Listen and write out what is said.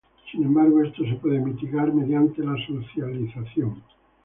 Sin embargo, esto puede ser mitigado mediante la socialización.